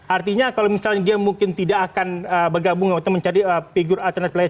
artinya kalau misalnya dia mungkin tidak akan bergabung atau mencari figur alternatif lain